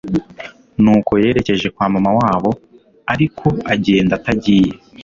Nuko yerekeje kwa Mama wabo ariko agenda atagiye